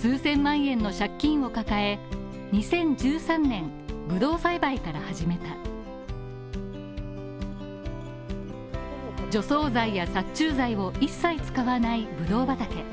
数千万円の借金を抱え、２０１３年、ブドウ栽培から始めた除草剤や殺虫剤を一切使わないブドウ畑。